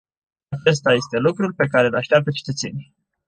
Acesta este lucrul pe care îl așteaptă cetățenii.